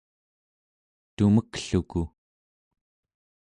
tumekluku